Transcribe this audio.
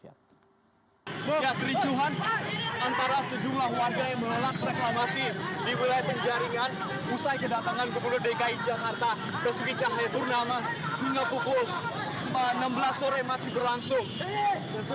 ya kericuhan antara sejumlah warga yang menolak reklamasi di wilayah penjaringan usai kedatangan gubernur dki jakarta basuki cahayapurnama hingga pukul enam belas sore masih berlangsung